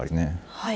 はい。